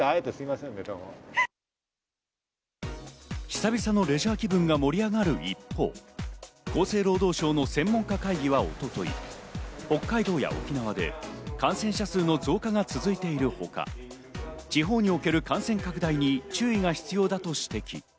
久々のレジャー気分が盛り上がる一方、厚生労働省の専門家会議は一昨日、北海道や沖縄で感染者数の増加が続いているほか、地方における感染拡大に注意が必要だと指摘。